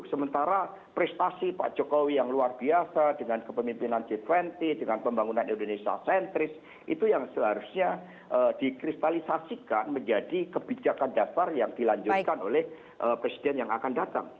sementara prestasi pak jokowi yang luar biasa dengan kepemimpinan g dua puluh dengan pembangunan indonesia sentris itu yang seharusnya dikristalisasikan menjadi kebijakan dasar yang dilanjutkan oleh presiden yang akan datang